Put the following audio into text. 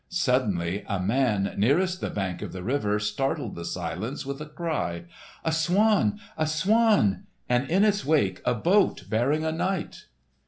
Suddenly a man nearest the bank of the river startled the silence with a cry, "A swan! a swan! And in its wake a boat bearing a knight!"